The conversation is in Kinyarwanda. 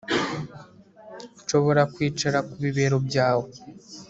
Nshobora kwicara ku bibero byawe